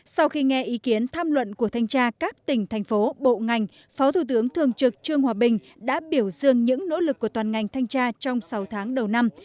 sau khi nghe ý kiến tham luận của thanh tra các tỉnh thành phố bộ ngành phó thủ tướng thường trực trương hòa bình đã biểu dương những nỗ lực của toàn ngành thanh tra trong sáu tháng đầu năm